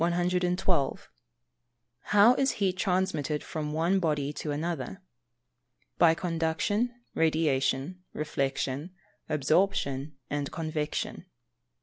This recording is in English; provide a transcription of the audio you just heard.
112. How is heat transmitted from one body to another? By Conduction, Radiation, Reflection, Absorption and Convection.